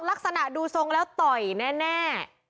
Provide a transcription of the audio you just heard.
ลักษณะดูทรงแล้วต่อยแน่